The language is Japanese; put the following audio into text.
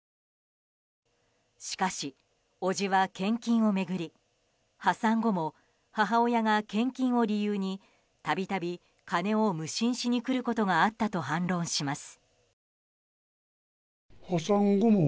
しかし、伯父は献金を巡り破産後も母親が献金を理由に度々、金を無心しに来ることがあったと反論します。